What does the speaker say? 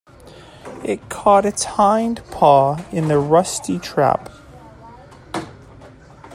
It caught its hind paw in a rusty trap.